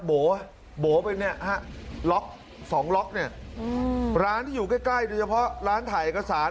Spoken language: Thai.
โบ๋โบ๋ไปเนี่ยฟองล็อกเนี่ยร้านที่อยู่ใกล้ดูเฉพาะร้านถ่ายอักษร